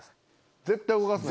絶対動かすなよ。